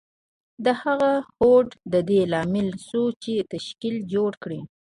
د هغه هوډ د دې لامل شو چې تشکیل جوړ کړي